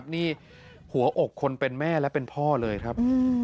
นี่หัวอกคนเป็นแม่และเป็นพ่อเลยครับ